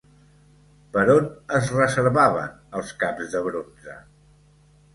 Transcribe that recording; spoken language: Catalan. Per on es reservaven els caps de bronze?